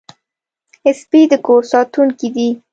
سپي د کور ساتونکي دي.